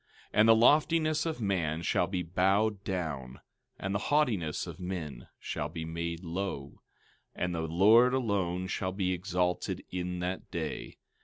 12:17 And the loftiness of man shall be bowed down, and the haughtiness of men shall be made low; and the Lord alone shall be exalted in that day.